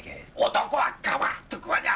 男はガバッと食わにゃ！